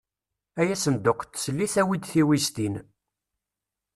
Ay asenduq n teslit, awi-d tiwiztin.